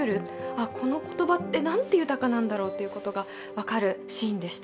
この言葉なんて豊かなんだろうっていうことが分かるシーンでした。